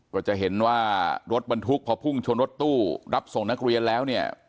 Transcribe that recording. ก็จะเห็นว่ารถบรรทุกพอพุ่งชนรถตู้รับส่งนักเรียนแล้วเนี่ย